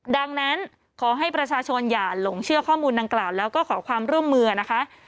ดังนั้นขอให้ประชาชนอย่าหลงเชื่อข้อมูลดังกล่าวแล้วก็ขอความร่วมมือนะคะ